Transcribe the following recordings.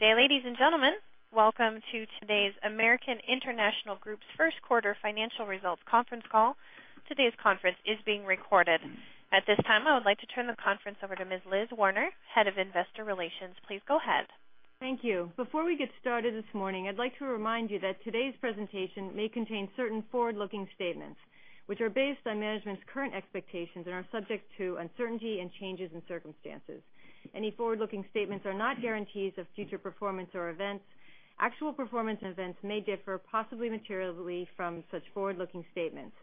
Good day, ladies and gentlemen. Welcome to today's American International Group's first quarter financial results conference call. Today's conference is being recorded. At this time, I would like to turn the conference over to Ms. Elizabeth Werner, Head of Investor Relations. Please go ahead. Thank you. Before we get started this morning, I'd like to remind you that today's presentation may contain certain forward-looking statements, which are based on management's current expectations and are subject to uncertainty and changes in circumstances. Any forward-looking statements are not guarantees of future performance or events. Actual performance events may differ, possibly materially, from such forward-looking statements.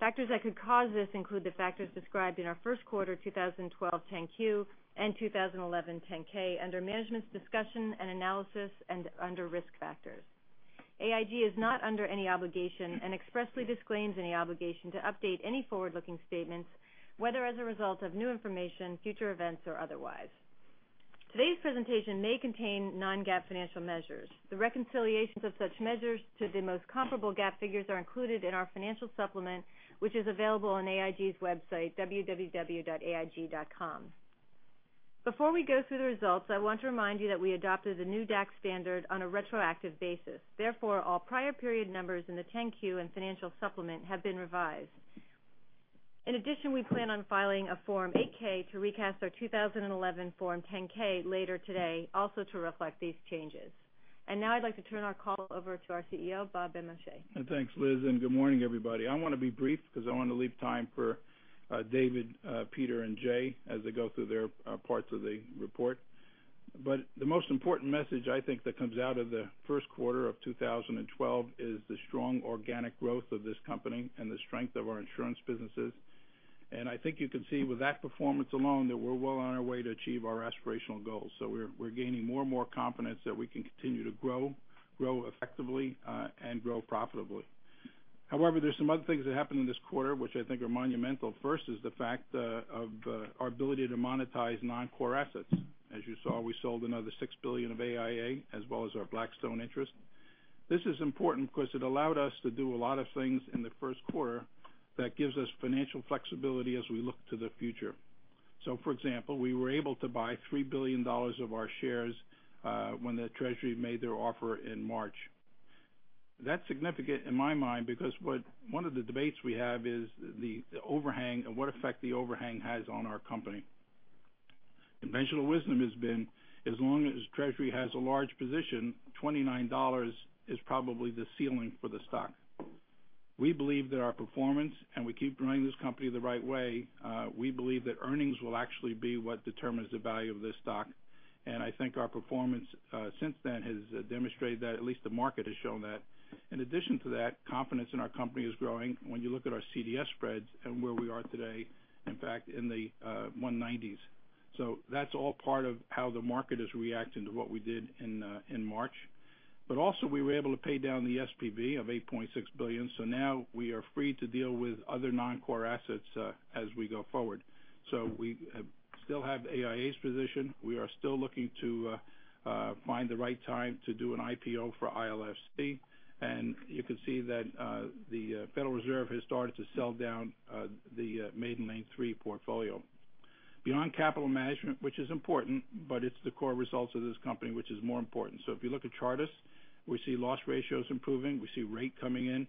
Factors that could cause this include the factors described in our first quarter 2012 10-Q and 2011 10-K under Management's Discussion and Analysis and under Risk Factors. AIG is not under any obligation and expressly disclaims any obligation to update any forward-looking statements, whether as a result of new information, future events, or otherwise. Today's presentation may contain non-GAAP financial measures. The reconciliations of such measures to the most comparable GAAP figures are included in our financial supplement, which is available on AIG's website, www.aig.com. Before we go through the results, I want to remind you that we adopted the new DAC standard on a retroactive basis. Therefore, all prior period numbers in the 10-Q and financial supplement have been revised. In addition, we plan on filing a Form 8-K to recast our 2011 Form 10-K later today, also to reflect these changes. Now I'd like to turn our call over to our CEO, Robert Benmosche. Thanks, Liz, good morning, everybody. I want to be brief because I want to leave time for David, Peter, and Jay as they go through their parts of the report. The most important message I think that comes out of the first quarter of 2012 is the strong organic growth of this company and the strength of our insurance businesses. I think you can see with that performance alone that we're well on our way to achieve our aspirational goals. We're gaining more and more confidence that we can continue to grow effectively, and grow profitably. However, there's some other things that happened in this quarter, which I think are monumental. First is the fact of our ability to monetize non-core assets. As you saw, we sold another $6 billion of AIA as well as our Blackstone interest. This is important because it allowed us to do a lot of things in the first quarter that gives us financial flexibility as we look to the future. For example, we were able to buy $3 billion of our shares when the Treasury made their offer in March. That's significant in my mind because one of the debates we have is the overhang and what effect the overhang has on our company. Conventional wisdom has been as long as Treasury has a large position, $29 is probably the ceiling for the stock. We believe that our performance, and we keep growing this company the right way, we believe that earnings will actually be what determines the value of this stock. I think our performance since then has demonstrated that, at least the market has shown that. In addition to that, confidence in our company is growing when you look at our CDS spreads and where we are today, in fact, in the 190s. That's all part of how the market is reacting to what we did in March. Also, we were able to pay down the SPV of $8.6 billion. Now we are free to deal with other non-core assets as we go forward. We still have AIA's position. We are still looking to find the right time to do an IPO for ILFC. You can see that the Federal Reserve has started to sell down the Maiden Lane III portfolio. Beyond capital management, which is important, but it's the core results of this company which is more important. If you look at Chartis, we see loss ratios improving, we see rate coming in,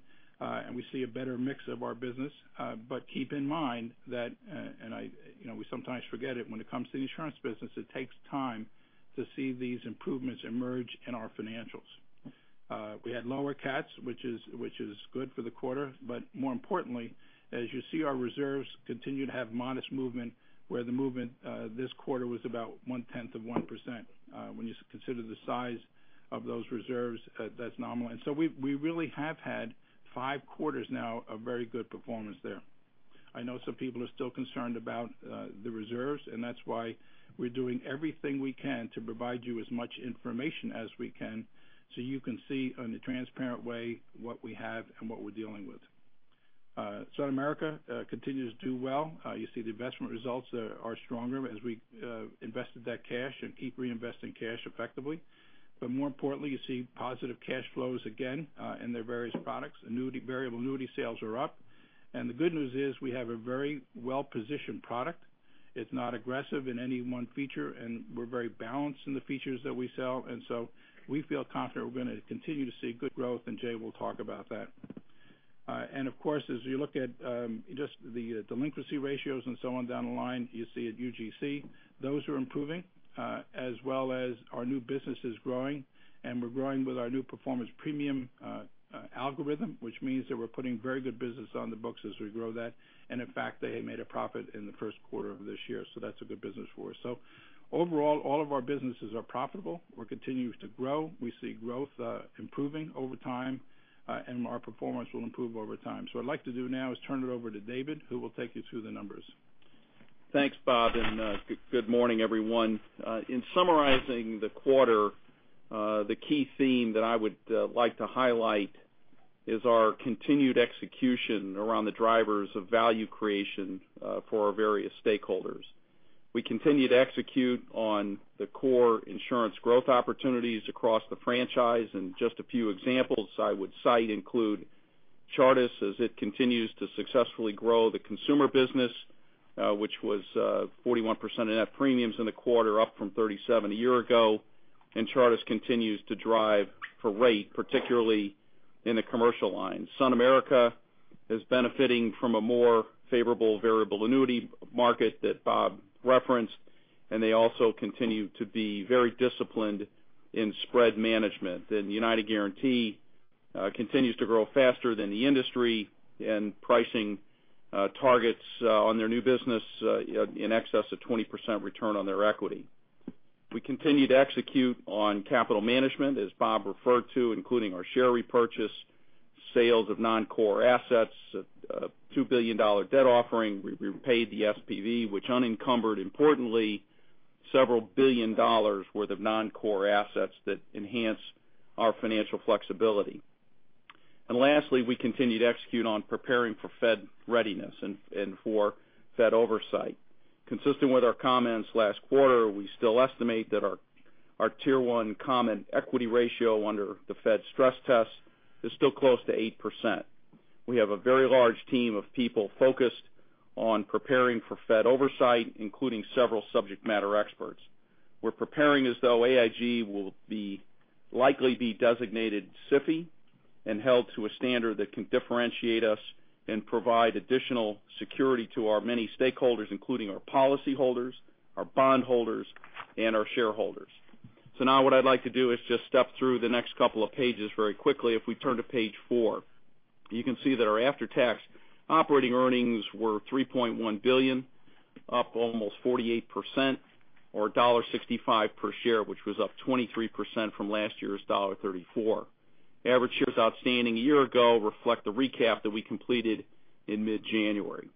we see a better mix of our business. Keep in mind that, we sometimes forget it, when it comes to the insurance business, it takes time to see these improvements emerge in our financials. We had lower CATs, which is good for the quarter. More importantly, as you see our reserves continue to have modest movement, where the movement this quarter was about one tenth of 1%. When you consider the size of those reserves, that's nominal. We really have had five quarters now of very good performance there. I know some people are still concerned about the reserves, that's why we're doing everything we can to provide you as much information as we can so you can see in a transparent way what we have and what we're dealing with. SunAmerica continues to do well. You see the investment results are stronger as we invested that cash and keep reinvesting cash effectively. More importantly, you see positive cash flows again in their various products. Variable annuity sales are up. The good news is we have a very well-positioned product. It's not aggressive in any one feature, we're very balanced in the features that we sell. We feel confident we're going to continue to see good growth, and Jay will talk about that. Of course, as you look at just the delinquency ratios and so on down the line, you see at UGC, those are improving as well as our new business is growing, and we're growing with our new Performance Premium algorithm, which means that we're putting very good business on the books as we grow that. In fact, they made a profit in the first quarter of this year, so that's a good business for us. Overall, all of our businesses are profitable. We're continuing to grow. We see growth improving over time, and our performance will improve over time. What I'd like to do now is turn it over to David, who will take you through the numbers. Thanks, Bob, good morning, everyone. In summarizing the quarter, the key theme that I would like to highlight is our continued execution around the drivers of value creation for our various stakeholders. We continue to execute on the core insurance growth opportunities across the franchise, just a few examples I would cite include Chartis, as it continues to successfully grow the consumer business, which was 41% of net premiums in the quarter, up from 37% a year ago. Chartis continues to drive for rate, particularly in the commercial line. SunAmerica is benefiting from a more favorable variable annuity market that Bob referenced, they also continue to be very disciplined in spread management. United Guaranty continues to grow faster than the industry and pricing targets on their new business in excess of 20% return on their equity. We continue to execute on capital management, as Bob referred to, including our share repurchase, sales of non-core assets, a $2 billion debt offering. We paid the SPV, which unencumbered, importantly, several billion dollars worth of non-core assets that enhance our financial flexibility. Lastly, we continue to execute on preparing for Fed readiness and for Fed oversight. Consistent with our comments last quarter, we still estimate that our Tier 1 common equity ratio under the Fed stress test is still close to 8%. We have a very large team of people focused on preparing for Fed oversight, including several subject matter experts. We're preparing as though AIG will likely be designated SIFI and held to a standard that can differentiate us and provide additional security to our many stakeholders, including our policyholders, our bondholders, and our shareholders. Now what I'd like to do is just step through the next couple of pages very quickly. If we turn to page four, you can see that our after-tax operating earnings were $3.1 billion, up almost 48%, or $1.65 per share, which was up 23% from last year's $1.34. Average shares outstanding a year ago reflect the recap that we completed in mid-January.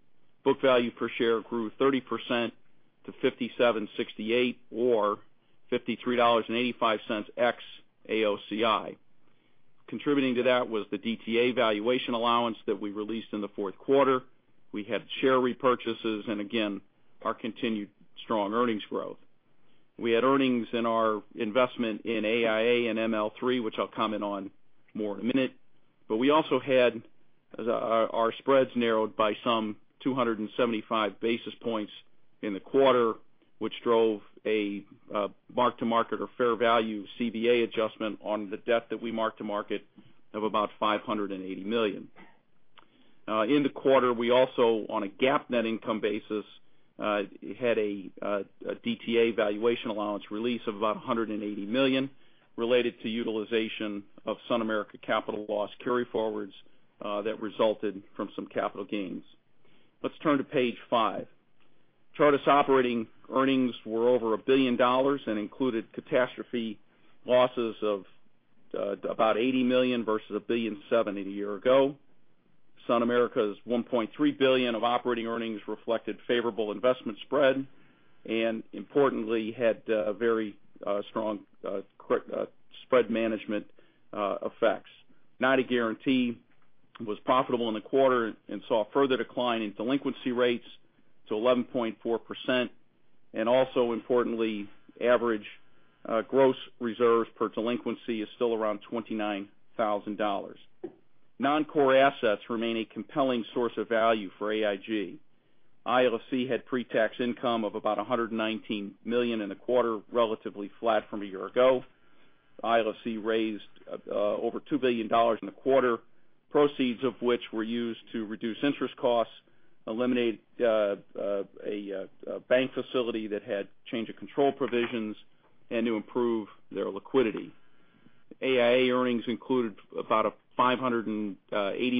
Book value per share grew 30% to $57.68 or $53.85 ex-AOCI. Contributing to that was the DTA valuation allowance that we released in the fourth quarter. We had share repurchases and again, our continued strong earnings growth. We had earnings in our investment in AIA and ML3, which I will comment on more in a minute. We also had our spreads narrowed by some 275 basis points in the quarter, which drove a mark-to-market or fair value CVA adjustment on the debt that we marked to market of about $580 million. In the quarter, we also, on a GAAP net income basis, had a DTA valuation allowance release of about $180 million related to utilization of SunAmerica capital loss carryforwards that resulted from some capital gains. Let's turn to page five. Chartis operating earnings were over $1 billion and included catastrophe losses of about $80 million versus $1.7 billion a year ago. SunAmerica's $1.3 billion of operating earnings reflected favorable investment spread and importantly had a very strong spread management effects. United Guaranty was profitable in the quarter and saw a further decline in delinquency rates to 11.4% and also importantly, average gross reserves per delinquency is still around $29,000. Non-core assets remain a compelling source of value for AIG. ILFC had pre-tax income of about $119 million in the quarter, relatively flat from a year ago. ILFC raised over $2 billion in the quarter, proceeds of which were used to reduce interest costs, eliminate a bank facility that had change of control provisions, and to improve their liquidity. AIA earnings included about a $580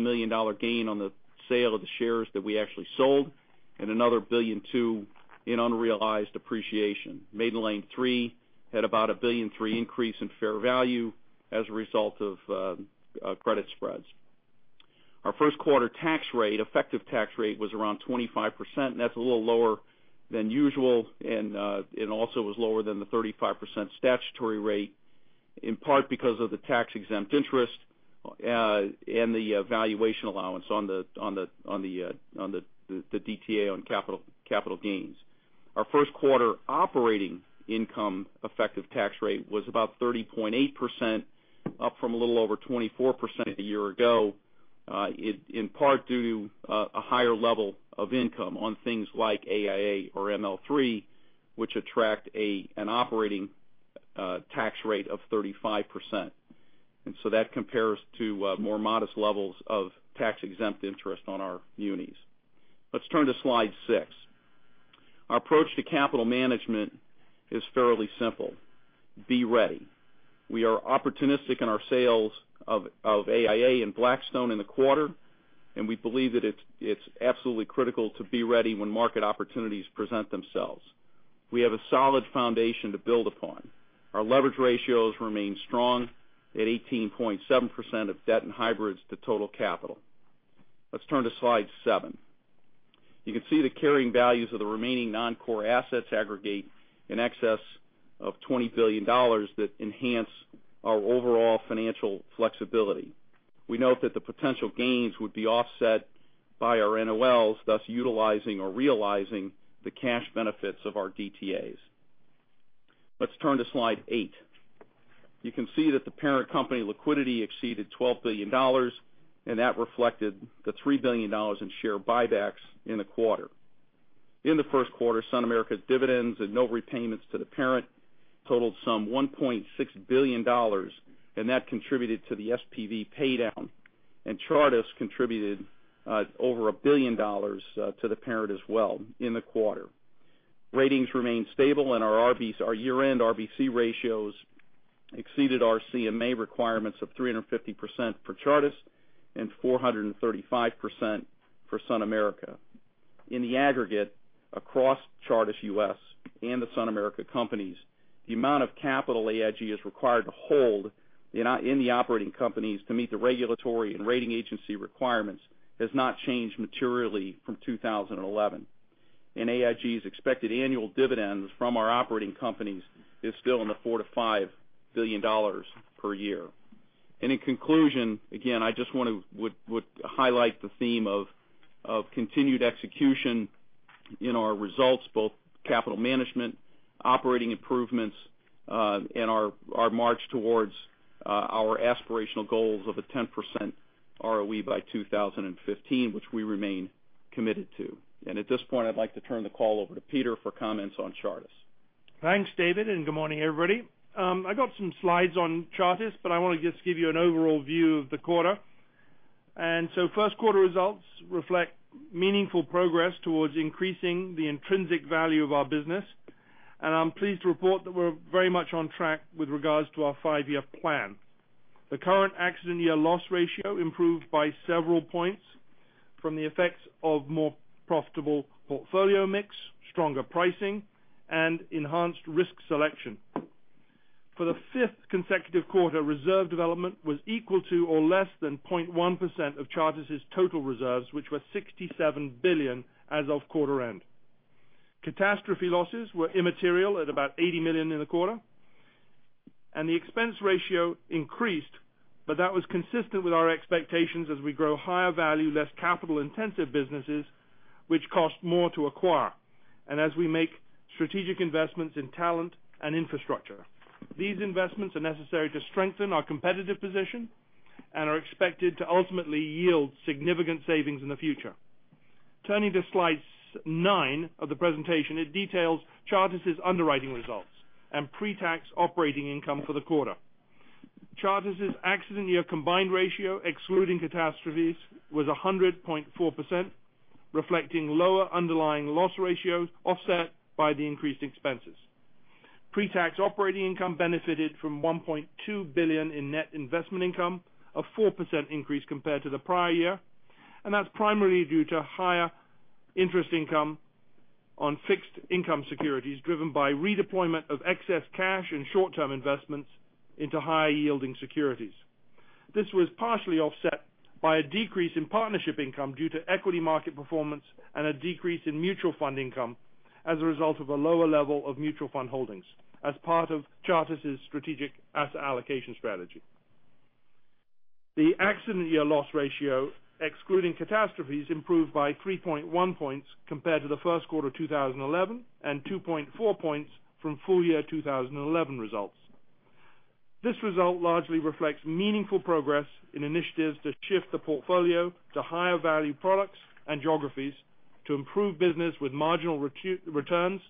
million gain on the sale of the shares that we actually sold and another $1.2 billion in unrealized appreciation. Maiden Lane III had about a $1.3 billion increase in fair value as a result of credit spreads. Our first quarter effective tax rate was around 25%. That's a little lower than usual. It also was lower than the 35% statutory rate, in part because of the tax-exempt interest and the valuation allowance on the DTA on capital gains. Our first quarter operating income effective tax rate was about 30.8%, up from a little over 24% a year ago, in part due to a higher level of income on things like AIA or ML3, which attract an operating tax rate of 35%. That compares to more modest levels of tax-exempt interest on our munis. Let's turn to slide six. Our approach to capital management is fairly simple: be ready. We are opportunistic in our sales of AIA and Blackstone in the quarter. We believe that it's absolutely critical to be ready when market opportunities present themselves. We have a solid foundation to build upon. Our leverage ratios remain strong at 18.7% of debt and hybrids to total capital. Let's turn to slide seven. You can see the carrying values of the remaining non-core assets aggregate in excess of $20 billion that enhance our overall financial flexibility. We note that the potential gains would be offset by our NOLs, thus utilizing or realizing the cash benefits of our DTAs. Let's turn to slide eight. You can see that the parent company liquidity exceeded $12 billion. That reflected the $3 billion in share buybacks in the quarter. In the first quarter, SunAmerica's dividends and note repayments to the parent totaled some $1.6 billion, that contributed to the SPV paydown. Chartis contributed over $1 billion to the parent as well in the quarter. Ratings remained stable and our year-end RBC ratios exceeded our CMA requirements of 350% for Chartis and 435% for SunAmerica. In the aggregate, across Chartis U.S. and the SunAmerica companies, the amount of capital AIG is required to hold in the operating companies to meet the regulatory and rating agency requirements has not changed materially from 2011. AIG's expected annual dividends from our operating companies is still in the $4 billion to $5 billion per year. In conclusion, again, I just want to highlight the theme of continued execution in our results, both capital management, operating improvements, and our march towards our aspirational goals of a 10% ROE by 2015, which we remain committed to. At this point, I'd like to turn the call over to Peter for comments on Chartis. Thanks, David, and good morning, everybody. I got some slides on Chartis, but I want to just give you an overall view of the quarter. First quarter results reflect meaningful progress towards increasing the intrinsic value of our business. I'm pleased to report that we're very much on track with regards to our five-year plan. The current accident year loss ratio improved by several points from the effects of more profitable portfolio mix, stronger pricing, and enhanced risk selection. For the fifth consecutive quarter, reserve development was equal to or less than 0.1% of Chartis' total reserves, which were $67 billion as of quarter end. Catastrophe losses were immaterial at about $80 million in the quarter. The expense ratio increased, but that was consistent with our expectations as we grow higher value, less capital-intensive businesses, which cost more to acquire. As we make strategic investments in talent and infrastructure. These investments are necessary to strengthen our competitive position and are expected to ultimately yield significant savings in the future. Turning to slide nine of the presentation, it details Chartis' underwriting results and pre-tax operating income for the quarter. Chartis' accident year combined ratio, excluding catastrophes, was 100.4%, reflecting lower underlying loss ratios offset by the increased expenses. Pre-tax operating income benefited from $1.2 billion in net investment income, a 4% increase compared to the prior year, that's primarily due to higher interest income on fixed income securities driven by redeployment of excess cash and short-term investments into higher yielding securities. This was partially offset by a decrease in partnership income due to equity market performance and a decrease in mutual fund income as a result of a lower level of mutual fund holdings as part of Chartis' strategic asset allocation strategy. The accident year loss ratio, excluding catastrophes, improved by 3.1 points compared to the first quarter of 2011 and 2.4 points from full year 2011 results. This result largely reflects meaningful progress in initiatives to shift the portfolio to higher value products and geographies to improve business with marginal returns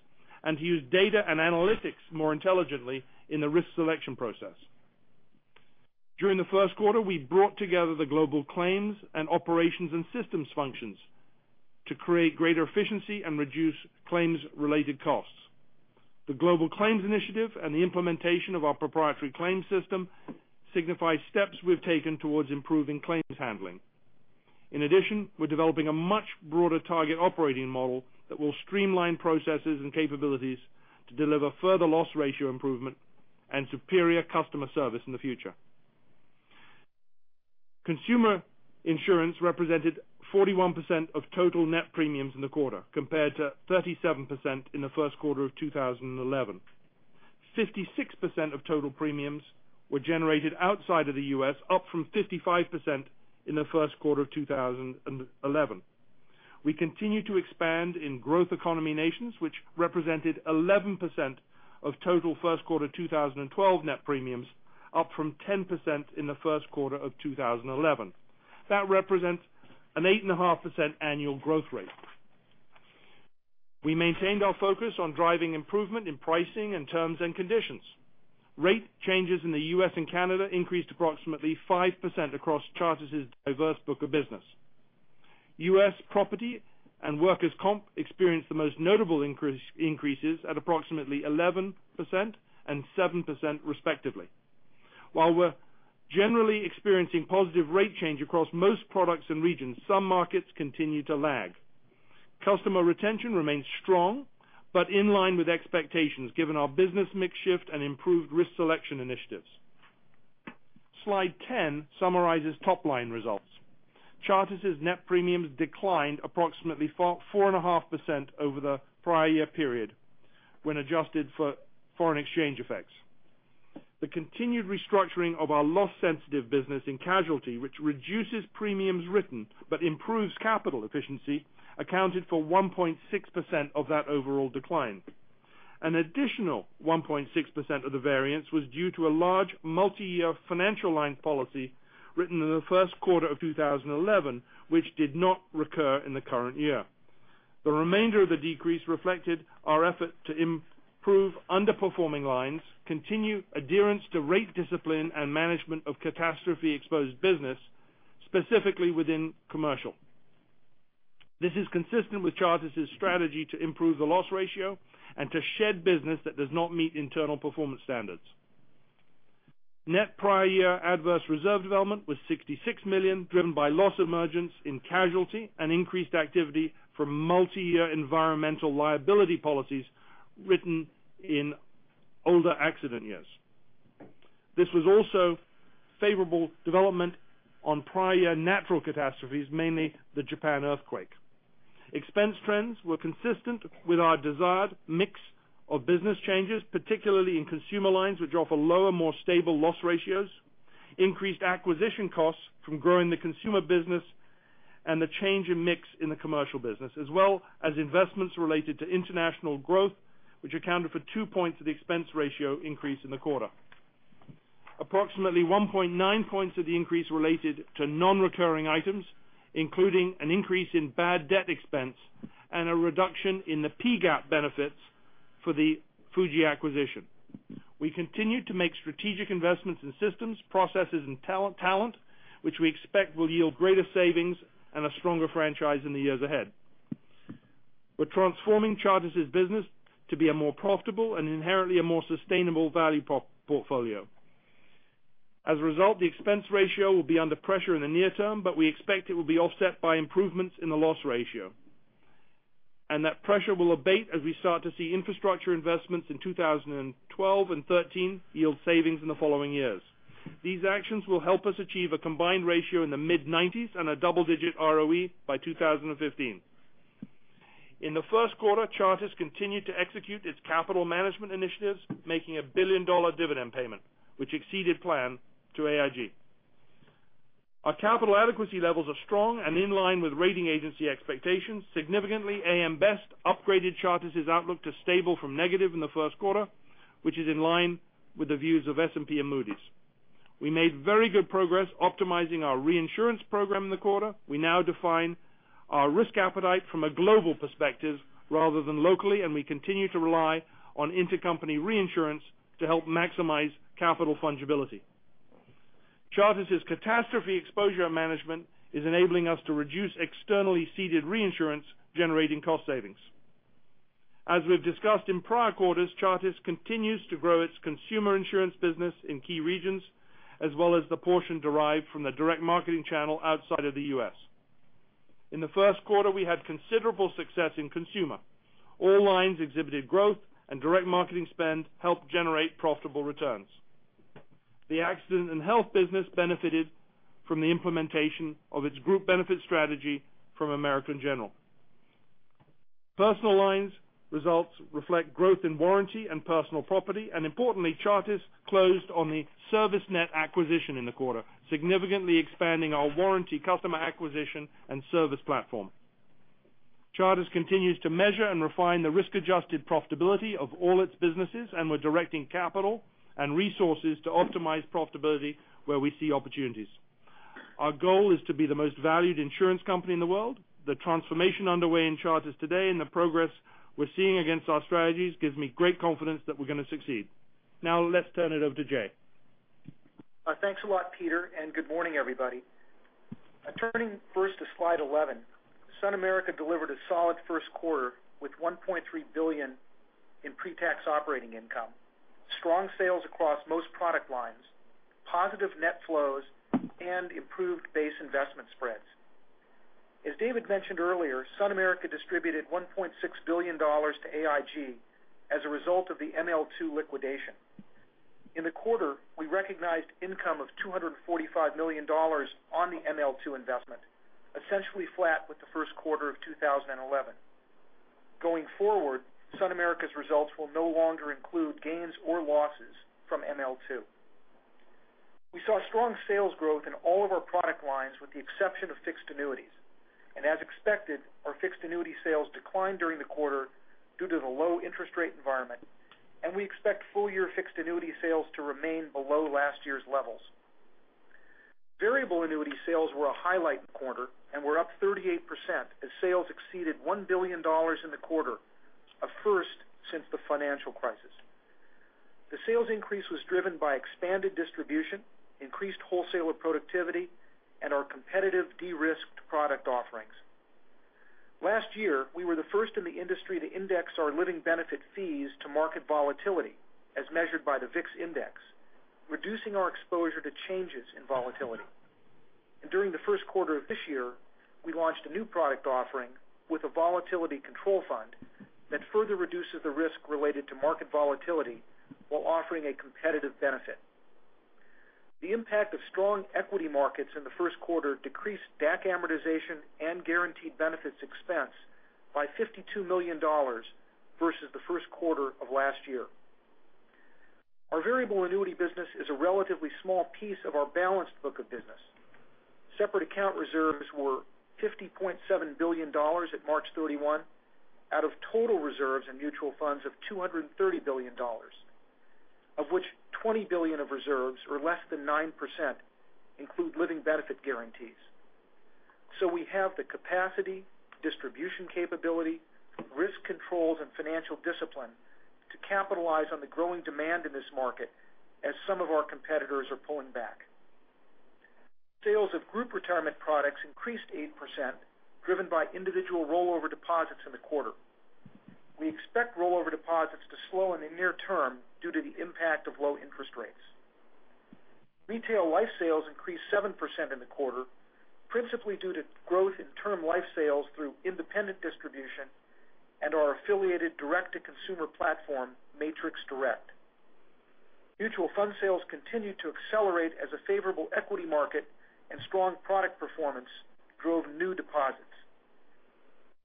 and to use data and analytics more intelligently in the risk selection process. During the first quarter, we brought together the global claims and operations and systems functions to create greater efficiency and reduce claims related costs. The global claims initiative and the implementation of our proprietary claims system signify steps we've taken towards improving claims handling. We're developing a much broader target operating model that will streamline processes and capabilities to deliver further loss ratio improvement and superior customer service in the future. Consumer insurance represented 41% of total net premiums in the quarter, compared to 37% in the first quarter of 2011. 56% of total premiums were generated outside of the U.S., up from 55% in the first quarter of 2011. We continue to expand in growth economy nations, which represented 11% of total first quarter 2012 net premiums, up from 10% in the first quarter of 2011. That represents an 8.5% annual growth rate. We maintained our focus on driving improvement in pricing and terms and conditions. Rate changes in the U.S. and Canada increased approximately 5% across Chartis' diverse book of business. U.S. property and workers' comp experienced the most notable increases at approximately 11% and 7% respectively. While we're generally experiencing positive rate change across most products and regions, some markets continue to lag. Customer retention remains strong, but in line with expectations given our business mix shift and improved risk selection initiatives. Slide 10 summarizes top-line results. Chartis' net premiums declined approximately 4.5% over the prior year period when adjusted for foreign exchange effects. The continued restructuring of our loss-sensitive business in casualty, which reduces premiums written but improves capital efficiency, accounted for 1.6% of that overall decline. An additional 1.6% of the variance was due to a large multi-year financial line policy written in the first quarter of 2011, which did not recur in the current year. The remainder of the decrease reflected our effort to improve underperforming lines, continue adherence to rate discipline, and management of catastrophe-exposed business, specifically within commercial. This is consistent with Chartis' strategy to improve the loss ratio and to shed business that does not meet internal performance standards. Net prior year adverse reserve development was $66 million, driven by loss emergence in casualty and increased activity from multi-year environmental liability policies written in older accident years. This was also favorable development on prior natural catastrophes, mainly the Japan earthquake. Expense trends were consistent with our desired mix of business changes, particularly in consumer lines, which offer lower, more stable loss ratios, increased acquisition costs from growing the consumer business, and the change in mix in the commercial business, as well as investments related to international growth, which accounted for two points of the expense ratio increase in the quarter. Approximately 1.9 points of the increase related to non-recurring items, including an increase in bad debt expense and a reduction in the PGAAP benefits for the Fuji acquisition. We continue to make strategic investments in systems, processes, and talent, which we expect will yield greater savings and a stronger franchise in the years ahead. We're transforming Chartis' business to be a more profitable and inherently a more sustainable value portfolio. As a result, the expense ratio will be under pressure in the near term, but we expect it will be offset by improvements in the loss ratio. That pressure will abate as we start to see infrastructure investments in 2012 and 2013 yield savings in the following years. These actions will help us achieve a combined ratio in the mid-90s and a double-digit ROE by 2015. In the first quarter, Chartis continued to execute its capital management initiatives, making a billion-dollar dividend payment, which exceeded plan to AIG. Our capital adequacy levels are strong and in line with rating agency expectations. Significantly, AM Best upgraded Chartis' outlook to stable from negative in the first quarter, which is in line with the views of S&P and Moody's. We made very good progress optimizing our reinsurance program in the quarter. We now define our risk appetite from a global perspective rather than locally, and we continue to rely on intercompany reinsurance to help maximize capital fungibility. Chartis' catastrophe exposure management is enabling us to reduce externally ceded reinsurance, generating cost savings. As we've discussed in prior quarters, Chartis continues to grow its consumer insurance business in key regions, as well as the portion derived from the direct marketing channel outside of the U.S. In the first quarter, we had considerable success in consumer. All lines exhibited growth and direct marketing spend helped generate profitable returns. The accident and health business benefited from the implementation of its group benefit strategy from American General. Personal lines results reflect growth in warranty and personal property, and importantly, Chartis closed on the Service Net acquisition in the quarter, significantly expanding our warranty customer acquisition and service platform. Chartis continues to measure and refine the risk-adjusted profitability of all its businesses, and we're directing capital and resources to optimize profitability where we see opportunities. Our goal is to be the most valued insurance company in the world. The transformation underway in Chartis today and the progress we're seeing against our strategies gives me great confidence that we're going to succeed. Now let's turn it over to Jay. Thanks a lot, Peter, and good morning, everybody. Turning first to slide 11. SunAmerica delivered a solid first quarter with $1.3 billion in pre-tax operating income, strong sales across most product lines, positive net flows, and improved base investment spreads. As David mentioned earlier, SunAmerica distributed $1.6 billion to AIG as a result of the ML2 liquidation. In the quarter, we recognized income of $245 million on the ML2 investment, essentially flat with the first quarter of 2011. Going forward, SunAmerica's results will no longer include gains or losses from ML2. We saw strong sales growth in all of our product lines with the exception of fixed annuities. As expected, our fixed annuity sales declined during the quarter due to the low interest rate environment, and we expect full year fixed annuity sales to remain below last year's levels. Variable annuity sales were a highlight in the quarter and were up 38% as sales exceeded $1 billion in the quarter, a first since the financial crisis. The sales increase was driven by expanded distribution, increased wholesaler productivity, and our competitive de-risked product offerings. Last year, we were the first in the industry to index our living benefit fees to market volatility as measured by the VIX index, reducing our exposure to changes in volatility. During the first quarter of this year, we launched a new product offering with a volatility control fund that further reduces the risk related to market volatility while offering a competitive benefit. The impact of strong equity markets in the first quarter decreased DAC amortization and guaranteed benefits expense by $52 million versus the first quarter of last year. Our variable annuity business is a relatively small piece of our balanced book of business. Separate account reserves were $50.7 billion at March 31 out of total reserves and mutual funds of $230 billion, of which $20 billion of reserves or less than 9% include living benefit guarantees. We have the capacity, distribution capability, risk controls, and financial discipline to capitalize on the growing demand in this market as some of our competitors are pulling back. Sales of group retirement products increased 8%, driven by individual rollover deposits in the quarter. We expect rollover deposits to slow in the near term due to the impact of low interest rates. Retail life sales increased 7% in the quarter, principally due to growth in term life sales through independent distribution and our affiliated direct-to-consumer platform, Matrix Direct. Mutual fund sales continue to accelerate as a favorable equity market and strong product performance drove new deposits.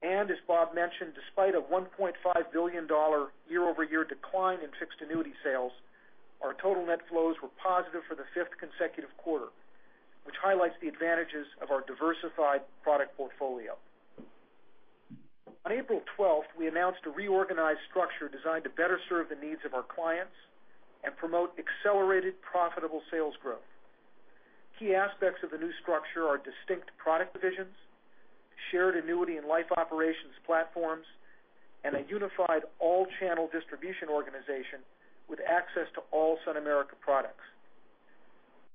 As Bob mentioned, despite a $1.5 billion year-over-year decline in fixed annuity sales, our total net flows were positive for the fifth consecutive quarter, which highlights the advantages of our diversified product portfolio. On April 12th, we announced a reorganized structure designed to better serve the needs of our clients and promote accelerated profitable sales growth. Key aspects of the new structure are distinct product divisions, shared annuity and life operations platforms, and a unified all-channel distribution organization with access to all SunAmerica products.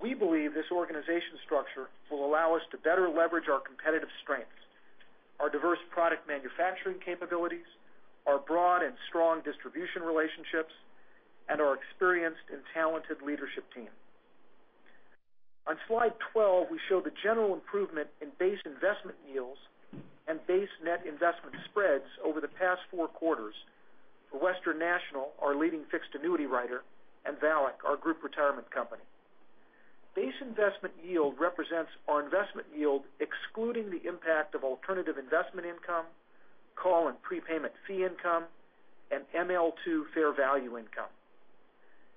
We believe this organization structure will allow us to better leverage our competitive strengths, our diverse product manufacturing capabilities, our broad and strong distribution relationships, and our experienced and talented leadership team. On slide 12, we show the general improvement in base investment yields and base net investment spreads over the past four quarters for Western National, our leading fixed annuity writer, and VALIC, our group retirement company. Base investment yield represents our investment yield, excluding the impact of alternative investment income, call and prepayment fee income, and ML2 fair value income.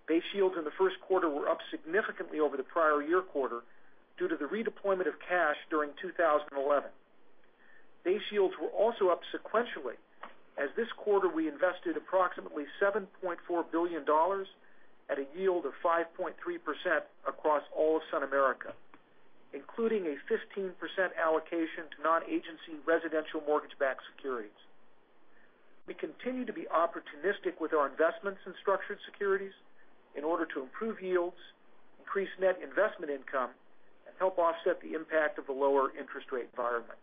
Base yields in the first quarter were up significantly over the prior year quarter due to the redeployment of cash during 2011. Base yields were also up sequentially, as this quarter we invested approximately $7.4 billion at a yield of 5.3% across all of SunAmerica, including a 15% allocation to non-agency residential mortgage-backed securities. We continue to be opportunistic with our investments in structured securities in order to improve yields, increase net investment income, and help offset the impact of the lower interest rate environment.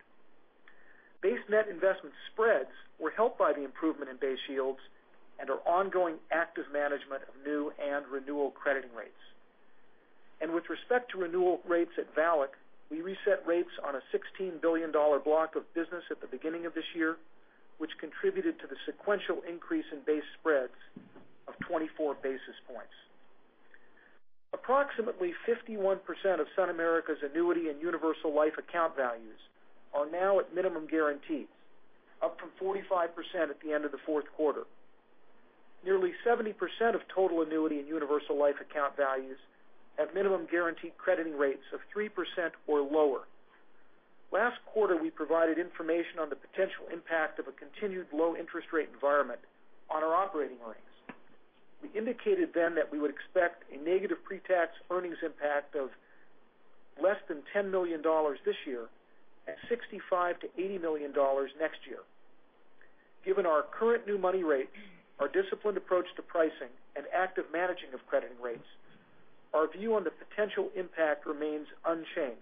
Base net investment spreads were helped by the improvement in base yields and our ongoing active management of new and renewal crediting rates. With respect to renewal rates at VALIC, we reset rates on a $16 billion block of business at the beginning of this year, which contributed to the sequential increase in base spreads of 24 basis points. Approximately 51% of SunAmerica's annuity and universal life account values are now at minimum guarantees, up from 45% at the end of the fourth quarter. Nearly 70% of total annuity and universal life account values have minimum guaranteed crediting rates of 3% or lower. Last quarter, we provided information on the potential impact of a continued low interest rate environment on our operating earnings. We indicated then that we would expect a negative pre-tax earnings impact of less than $10 million this year at $65 million-$80 million next year. Given our current new money rates, our disciplined approach to pricing, and active managing of crediting rates, our view on the potential impact remains unchanged.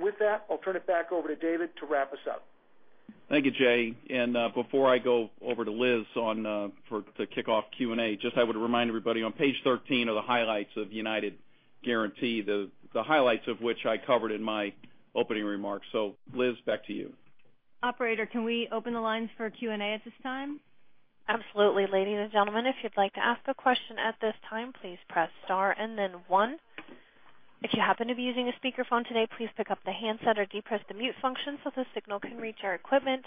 With that, I'll turn it back over to David to wrap us up. Thank you, Jay. Before I go over to Liz to kick off Q&A, I would remind everybody on page 13 are the highlights of United Guaranty, the highlights of which I covered in my opening remarks. Liz, back to you. Operator, can we open the lines for Q&A at this time? Absolutely. Ladies and gentlemen, if you'd like to ask a question at this time, please press star and then one. If you happen to be using a speakerphone today, please pick up the handset or depress the mute function so the signal can reach our equipment.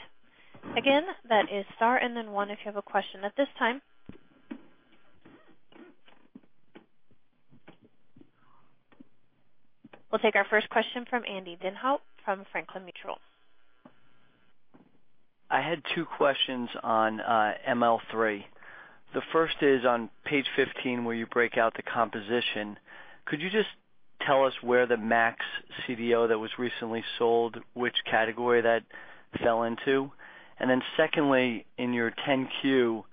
Again, that is star and then one if you have a question at this time. We'll take our first question from Andy Dinnhaupt from Franklin Mutual. I had two questions on ML3. The first is on page 15, where you break out the composition. Could you just tell us where the MAX CDO that was recently sold, which category that fell into? Secondly, in your 10-Q,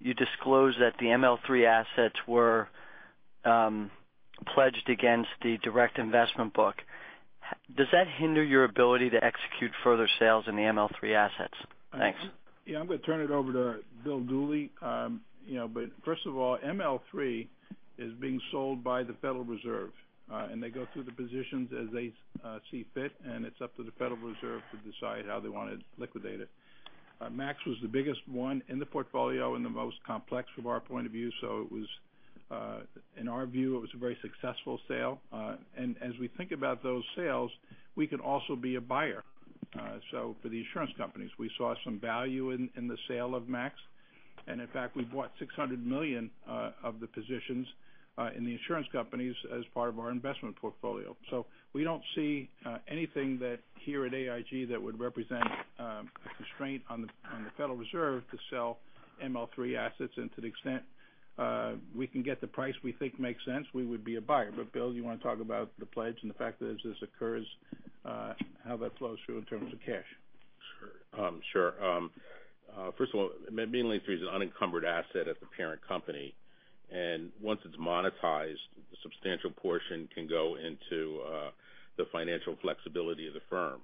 you disclosed that the ML3 assets were pledged against the direct investment book. Does that hinder your ability to execute further sales in the ML3 assets? Thanks. I'm going to turn it over to Bill Dooley. First of all, ML3 is being sold by the Federal Reserve, and they go through the positions as they see fit, and it's up to the Federal Reserve to decide how they want to liquidate it. Max was the biggest one in the portfolio and the most complex from our point of view. In our view, it was a very successful sale. As we think about those sales, we can also be a buyer. For the insurance companies, we saw some value in the sale of Max. In fact, we bought $600 million of the positions in the insurance companies as part of our investment portfolio. We don't see anything here at AIG that would represent a constraint on the Federal Reserve to sell ML3 assets. To the extent we can get the price we think makes sense, we would be a buyer. Bill, you want to talk about the pledge and the fact that as this occurs, how that flows through in terms of cash? Sure. First of all, mainly through the unencumbered asset at the parent company. Once it's monetized, the substantial portion can go into the financial flexibility of the firm.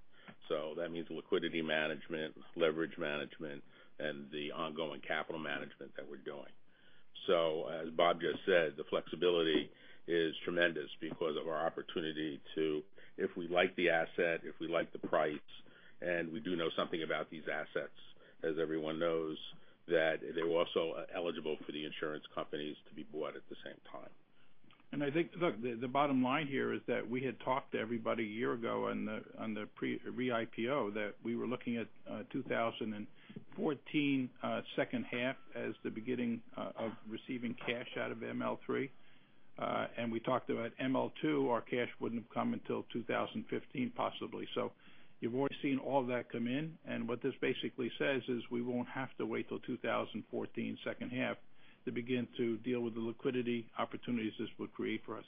That means liquidity management, leverage management, and the ongoing capital management that we're doing. As Bob just said, the flexibility is tremendous because of our opportunity to, if we like the asset, if we like the price, and we do know something about these assets, as everyone knows, that they're also eligible for the insurance companies to be bought at the same time. I think, look, the bottom line here is that we had talked to everybody a year ago on the re-IPO that we were looking at 2014 second half as the beginning of receiving cash out of ML3. We talked about ML2, our cash wouldn't have come until 2015, possibly. You've already seen all that come in, and what this basically says is we won't have to wait till 2014 second half to begin to deal with the liquidity opportunities this would create for us.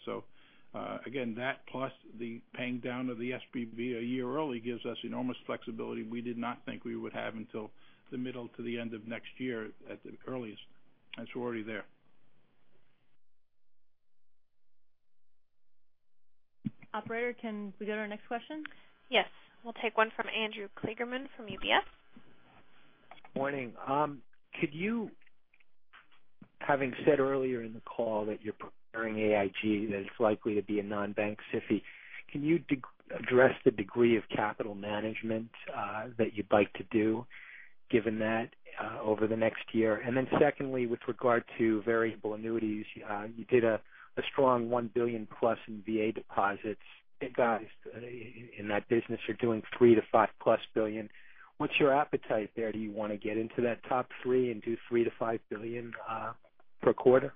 Again, that plus the paying down of the SPV a year early gives us enormous flexibility we did not think we would have until the middle to the end of next year at the earliest. We're already there. Operator, can we go to our next question? Yes. We'll take one from Andrew Kligerman from UBS. Morning. Could you, having said earlier in the call that you're preparing AIG that it's likely to be a non-bank SIFI, can you address the degree of capital management that you'd like to do given that over the next year? Secondly, with regard to variable annuities, you did a strong $1 billion plus in VA deposits. You guys in that business are doing $3 billion-$5 billion plus. What's your appetite there? Do you want to get into that top three and do $3 billion-$5 billion per quarter?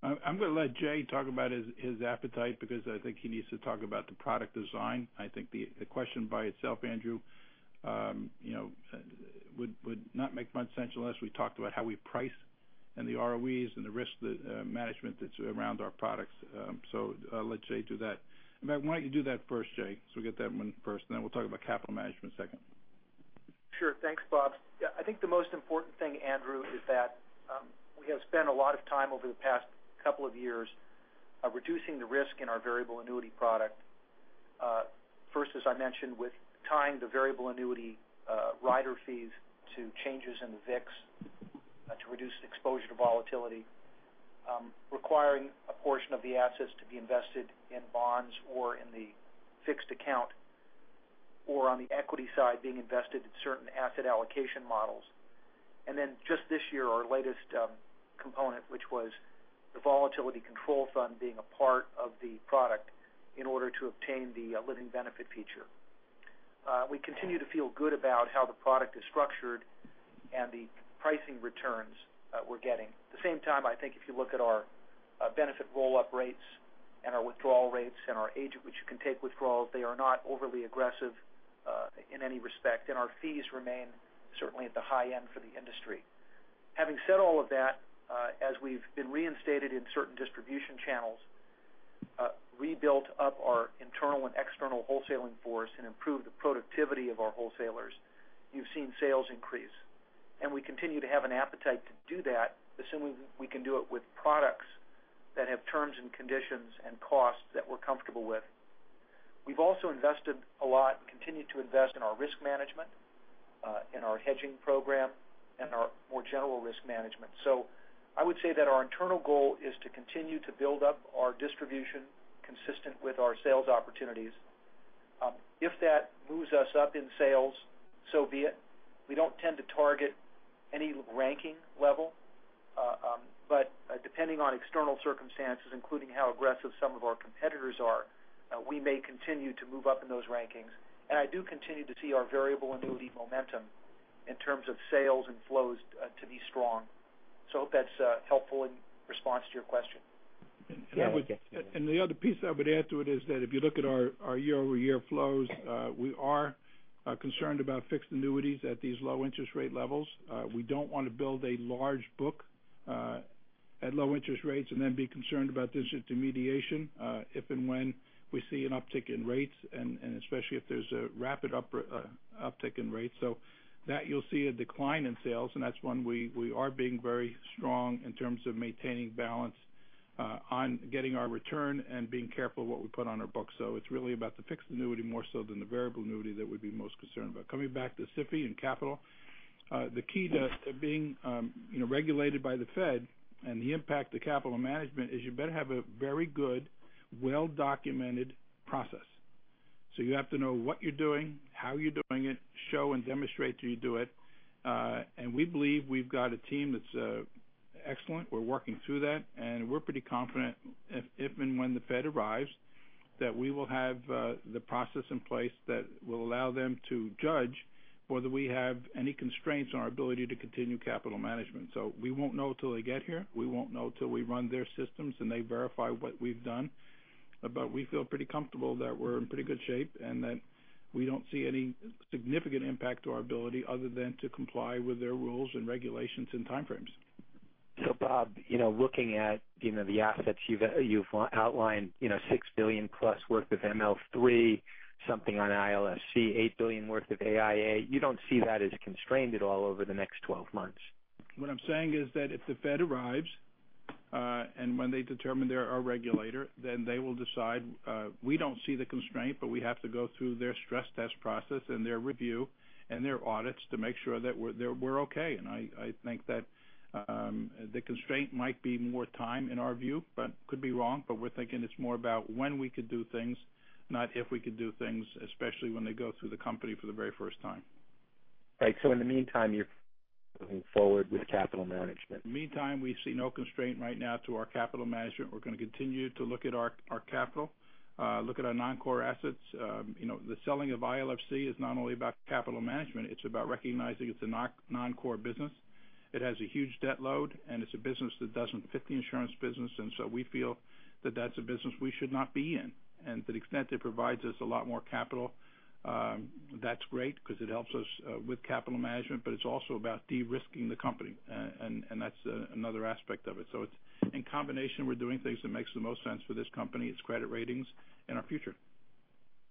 I'm going to let Jay talk about his appetite because I think he needs to talk about the product design. I think the question by itself, Andrew, would not make much sense unless we talked about how we price and the ROEs and the risk management that's around our products. I'll let Jay do that. In fact, why don't you do that first, Jay, we get that one first, and then we'll talk about capital management second. Sure. Thanks, Bob. I think the most important thing, Andrew, is that we have spent a lot of time over the past couple of years reducing the risk in our variable annuity product. First, as I mentioned, with tying the variable annuity rider fees to changes in the VIX to reduce exposure to volatility, requiring a portion of the assets to be invested in bonds or in the fixed account, or on the equity side, being invested in certain asset allocation models. Just this year, our latest component, which was the volatility control fund being a part of the product in order to obtain the living benefit feature. We continue to feel good about how the product is structured and the pricing returns we're getting. At the same time, I think if you look at our benefit roll-up rates and our withdrawal rates and our age at which you can take withdrawals, they are not overly aggressive in any respect, and our fees remain certainly at the high end for the industry. Having said all of that, as we've been reinstated in certain distribution channels, rebuilt up our internal and external wholesaling force, and improved the productivity of our wholesalers, you've seen sales increase. We continue to have an appetite to do that, assuming we can do it with products that have terms and conditions and costs that we're comfortable with. We've also invested a lot and continue to invest in our risk management, in our hedging program, and our more general risk management. I would say that our internal goal is to continue to build up our distribution consistent with our sales opportunities. If that moves us up in sales, so be it. We don't tend to target any ranking level. Depending on external circumstances, including how aggressive some of our competitors are, we may continue to move up in those rankings. I do continue to see our variable annuity momentum in terms of sales and flows to be strong. I hope that's helpful in response to your question. The other piece I would add to it is that if you look at our year-over-year flows, we are concerned about fixed annuities at these low interest rate levels. We don't want to build a large book at low interest rates and then be concerned about disintermediation if and when we see an uptick in rates, and especially if there's a rapid uptick in rates. That you'll see a decline in sales, and that's one we are being very strong in terms of maintaining balance on getting our return and being careful what we put on our books. It's really about the fixed annuity more so than the variable annuity that we'd be most concerned about. Coming back to SIFI and capital, the key to being regulated by the Fed and the impact to capital management is you better have a very good, well-documented process. You have to know what you're doing, how you're doing it, show and demonstrate that you do it. We believe we've got a team that's excellent. We're working through that, and we're pretty confident if and when the Fed arrives, that we will have the process in place that will allow them to judge whether we have any constraints on our ability to continue capital management. We won't know till they get here. We won't know till we run their systems and they verify what we've done. We feel pretty comfortable that we're in pretty good shape and that we don't see any significant impact to our ability other than to comply with their rules and regulations and time frames. Bob, looking at the assets you've outlined, $6 billion plus worth of ML3, something on ILFC, $8 billion worth of AIA. You don't see that as constrained at all over the next 12 months? What I'm saying is that if the Fed arrives, when they determine they're our regulator, then they will decide. We don't see the constraint, but we have to go through their stress test process and their review and their audits to make sure that we're okay. I think that the constraint might be more time in our view, but could be wrong, but we're thinking it's more about when we could do things, not if we could do things, especially when they go through the company for the very first time. Right. In the meantime, you're moving forward with capital management. Meantime, we see no constraint right now to our capital management. We're going to continue to look at our capital, look at our non-core assets. The selling of ILFC is not only about capital management, it's about recognizing it's a non-core business. It has a huge debt load, and it's a business that doesn't fit the insurance business. We feel that that's a business we should not be in. To the extent it provides us a lot more capital, that's great because it helps us with capital management, but it's also about de-risking the company. That's another aspect of it. It's in combination, we're doing things that makes the most sense for this company, its credit ratings and our future.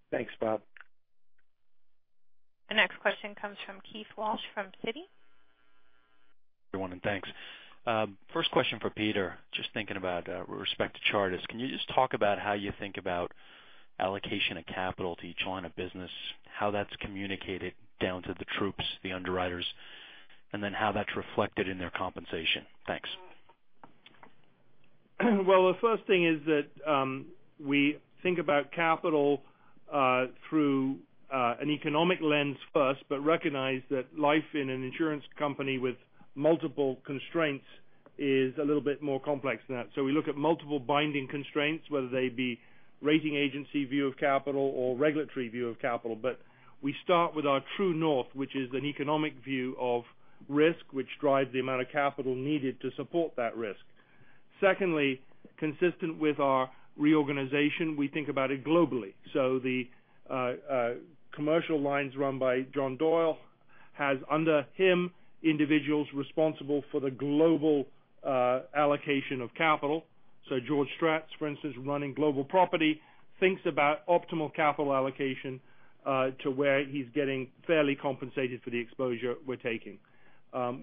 Thanks, Bob. The next question comes from Keith Walsh from Citi. Good morning, thanks. First question for Peter, just thinking about with respect to Chartis, can you just talk about how you think about allocation of capital to each line of business, how that's communicated down to the troops, the underwriters, and then how that's reflected in their compensation? Thanks. Well, the first thing is that we think about capital through an economic lens first, but recognize that life in an insurance company with multiple constraints is a little bit more complex than that. We look at multiple binding constraints, whether they be rating agency view of capital or regulatory view of capital. We start with our true north, which is an economic view of risk, which drives the amount of capital needed to support that risk. Secondly, consistent with our reorganization, we think about it globally. The commercial lines run by John Doyle has, under him, individuals responsible for the global allocation of capital. George Stratts, for instance, running global property, thinks about optimal capital allocation, to where he's getting fairly compensated for the exposure we're taking.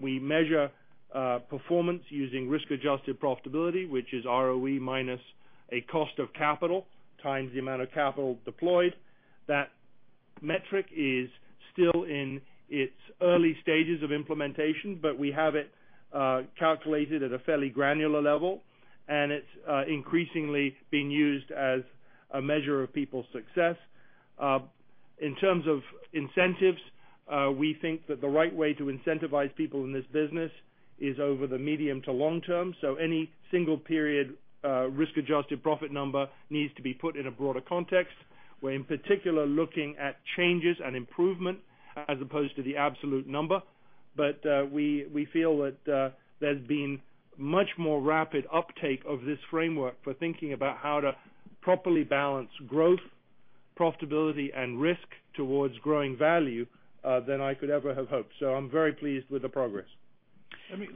We measure performance using risk-adjusted profitability, which is ROE minus a cost of capital, times the amount of capital deployed. That metric is still in its early stages of implementation, but we have it calculated at a fairly granular level, and it's increasingly being used as a measure of people's success. In terms of incentives, we think that the right way to incentivize people in this business is over the medium to long term. Any single period risk adjusted profit number needs to be put in a broader context. We're in particular looking at changes and improvement as opposed to the absolute number. We feel that there's been much more rapid uptake of this framework for thinking about how to properly balance growth, profitability, and risk towards growing value than I could ever have hoped. I'm very pleased with the progress. It's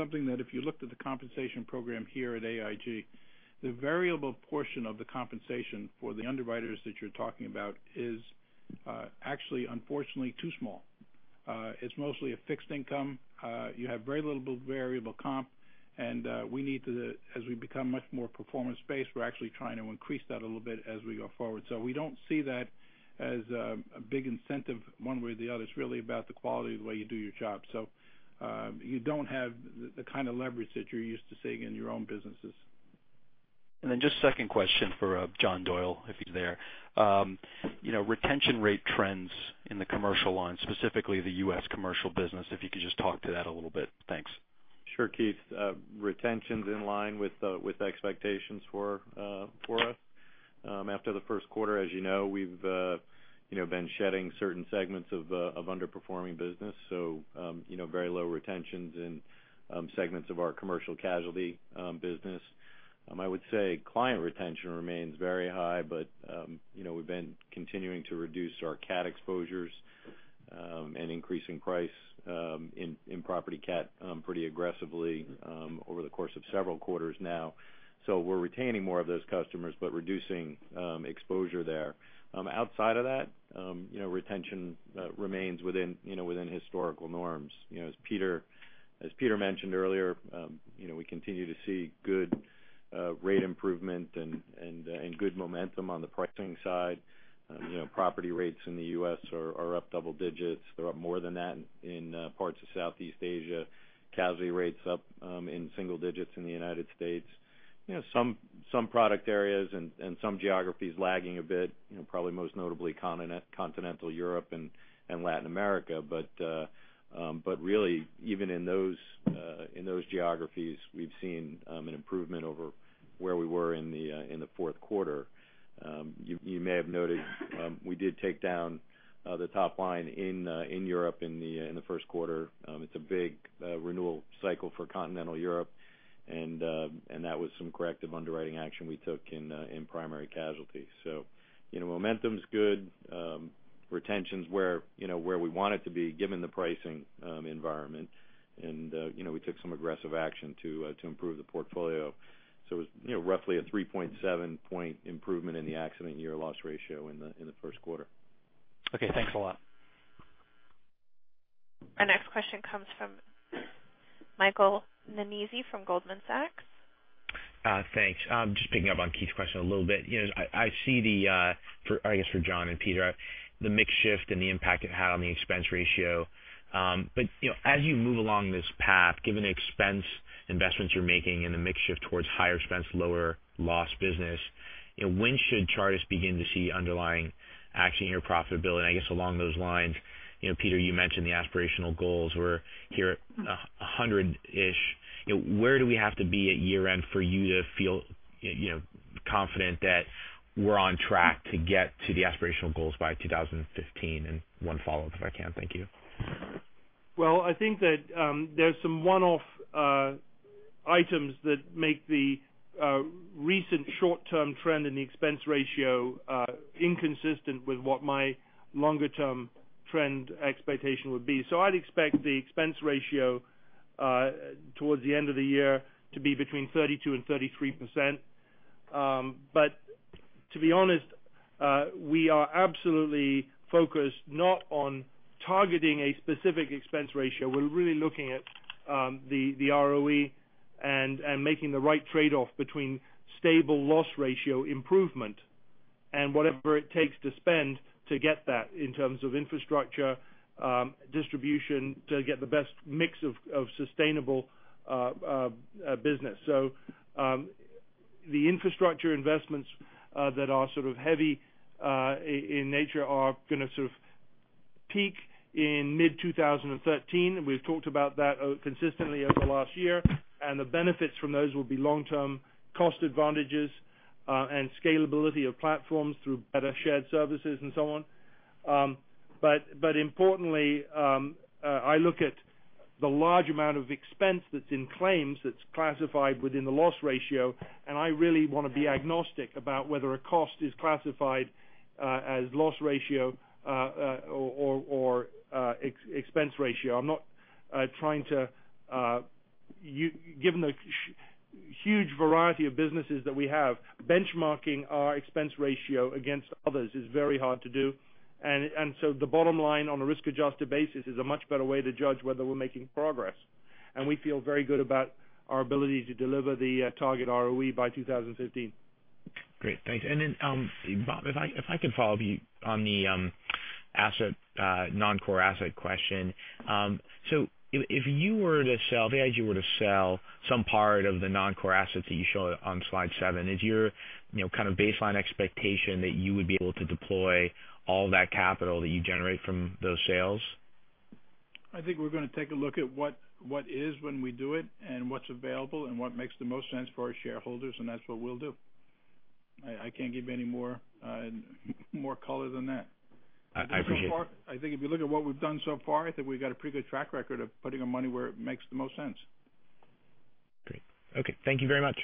something that if you looked at the compensation program here at AIG, the variable portion of the compensation for the underwriters that you're talking about is actually, unfortunately, too small. It's mostly a fixed income. You have very little variable comp. As we become much more performance-based, we're actually trying to increase that a little bit as we go forward. We don't see that as a big incentive one way or the other. It's really about the quality of the way you do your job. You don't have the kind of leverage that you're used to seeing in your own businesses. Just 2nd question for John Doyle, if he's there. Retention rate trends in the commercial line, specifically the U.S. commercial business, if you could just talk to that a little bit. Thanks. Sure, Keith. Retention's in line with expectations for us. After the 1st quarter, as you know, we've been shedding certain segments of underperforming business. Very low retentions in segments of our commercial casualty business. I would say client retention remains very high. We've been continuing to reduce our CAT exposures, and increasing price in property CAT pretty aggressively over the course of several quarters now. We're retaining more of those customers, but reducing exposure there. Outside of that, retention remains within historical norms. As Peter mentioned earlier, we continue to see good rate improvement and good momentum on the pricing side. Property rates in the U.S. are up double-digits. They're up more than that in parts of Southeast Asia. Casualty rates up in single-digits in the United States. Some product areas and some geographies lagging a bit, probably most notably continental Europe and Latin America. Really even in those geographies, we've seen an improvement over where we were in the 4th quarter. You may have noted we did take down the top line in Europe in the 1st quarter. It's a big renewal cycle for continental Europe. That was some corrective underwriting action we took in primary casualty. Momentum's good. Retention's where we want it to be given the pricing environment. We took some aggressive action to improve the portfolio. It was roughly a 3.7 point improvement in the accident year loss ratio in the 1st quarter. Okay. Thanks a lot. Our next question comes from Michael Nannizzi from Goldman Sachs. Thanks. Just picking up on Keith's question a little bit. I see the, I guess for John and Peter, the mix shift and the impact it had on the expense ratio. As you move along this path, given the expense investments you're making and the mix shift towards higher expense, lower loss business, when should Chartis begin to see underlying action in your profitability? I guess along those lines, Peter, you mentioned the aspirational goals were here 100-ish. Where do we have to be at year-end for you to feel confident that we're on track to get to the aspirational goals by 2015? One follow-up if I can. Thank you. I think that there's some one-off items that make the recent short-term trend in the expense ratio inconsistent with what my longer-term trend expectation would be. I'd expect the expense ratio towards the end of the year to be between 32%-33%. To be honest, we are absolutely focused not on targeting a specific expense ratio. We're really looking at the ROE and making the right trade-off between stable loss ratio improvement and whatever it takes to spend to get that in terms of infrastructure, distribution, to get the best mix of sustainable business. The infrastructure investments that are sort of heavy in nature are going to sort of peak in mid-2013. We've talked about that consistently over the last year, the benefits from those will be long-term cost advantages, scalability of platforms through better shared services and so on. Importantly, I look at the large amount of expense that's in claims that's classified within the loss ratio, I really want to be agnostic about whether a cost is classified as loss ratio or expense ratio. Given the huge variety of businesses that we have, benchmarking our expense ratio against others is very hard to do. The bottom line on a risk-adjusted basis is a much better way to judge whether we're making progress. We feel very good about our ability to deliver the target ROE by 2015. Great. Thanks. Bob, if I could follow up on the non-core asset question. If AIG were to sell some part of the non-core assets that you show on slide seven, is your kind of baseline expectation that you would be able to deploy all that capital that you generate from those sales? I think we're going to take a look at what is when we do it, what's available, what makes the most sense for our shareholders, that's what we'll do. I can't give you any more color than that. I appreciate it. I think if you look at what we've done so far, I think we've got a pretty good track record of putting our money where it makes the most sense. Great. Okay. Thank you very much.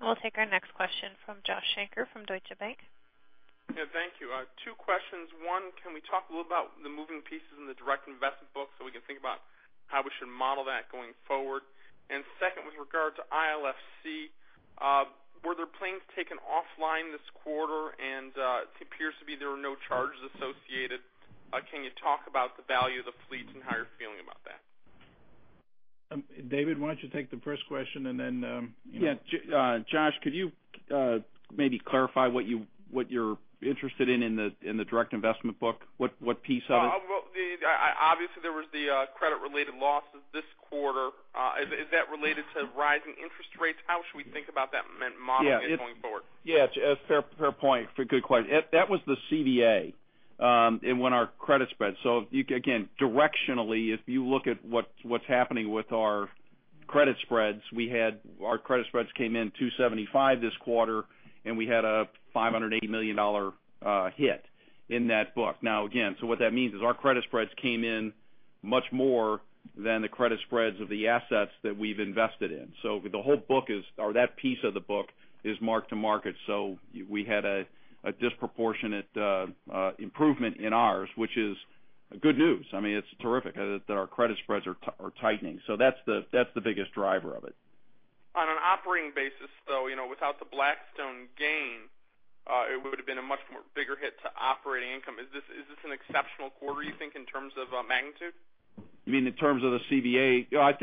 We'll take our next question from Joshua Shanker from Deutsche Bank. Yeah. Thank you. Two questions. One, can we talk a little about the moving pieces in the direct investment book so we can think about how we should model that going forward? Second, with regard to ILFC, were there planes taken offline this quarter? It appears to be there were no charges associated. Can you talk about the value of the fleet and how you're feeling about that? David, why don't you take the first question, and then- Yeah. Josh, could you maybe clarify what you're interested in the direct investment book? What piece of it? Well, obviously there was the credit-related losses this quarter. Is that related to rising interest rates? How should we think about that modeling going forward? Yeah. Fair point. Good question. That was the CVA in when our credit spread. Again, directionally, if you look at what's happening with our credit spreads, our credit spreads came in 275 this quarter, and we had a $580 million hit in that book. Now, again, what that means is our credit spreads came in much more than the credit spreads of the assets that we've invested in. The whole book is, or that piece of the book is mark-to-market. We had a disproportionate improvement in ours, which is good news. I mean, it's terrific that our credit spreads are tightening. That's the biggest driver of it. On an operating basis, though, without the Blackstone gain, it would have been a much more bigger hit to operating income. Is this an exceptional quarter, you think, in terms of magnitude? You mean in terms of the CVA? I